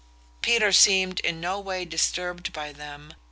Peter seemed in no way disturbed by them.